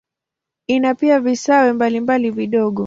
Ina pia visiwa mbalimbali vidogo.